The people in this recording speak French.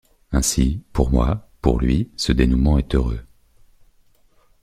Ainsi, pour moi, pour lui, ce dénouement est heureux.